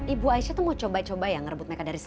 ibu aisyah itu mau coba coba ya ngerebut mereka dari sini